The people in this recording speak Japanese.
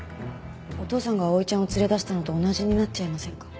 お父さんが碧唯ちゃんを連れ出したのと同じになっちゃいませんか？